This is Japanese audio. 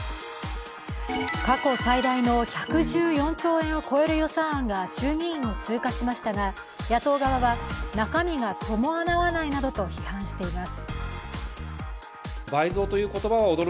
過去最大の１１４兆円を超える予算案が衆議院を通過しましたが野党側は中身が伴わないなどと批判しています。